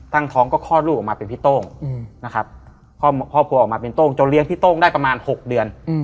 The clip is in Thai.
ตั้งท้องก็คลอดลูกออกมาเป็นพี่โต้งนะครับครอบครัวออกมาเป็นโต้งจนเลี้ยงพี่โต้งได้ประมาณ๖เดือน